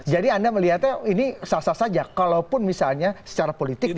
jadi anda melihatnya ini sah sah saja kalaupun misalnya secara politiknya